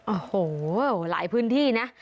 โอ้โหหลายพื้นที่นะ